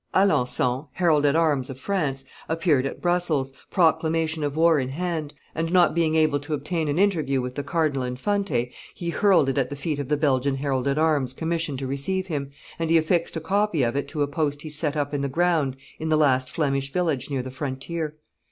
Alencon, herald at arms of France, appeared at Brussels, proclamation of war in hand; and, not be able to obtain an interview with the Cardinal Infante, he hurled it at the feet of the Belgian herald at arms commissioned to receive him, and he affixed a copy of it to a post he set up in the ground in the last Flemish village, near the frontier.